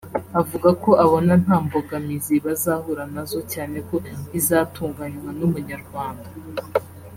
avuga ko abona nta mbogamizi bazahura nazo cyane ko izatunganywa n’umunyarwanda